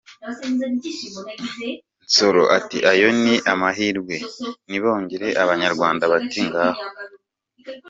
Nsoro ati "Ayo ni amahirwe, nibongere !" Abanyarwanda bati "Ngaho".